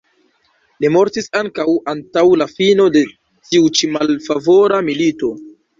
Li mortis ankoraŭ antaŭ la fino de tiu ĉi malfavora milito.